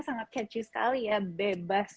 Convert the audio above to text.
sangat kety sekali ya bebas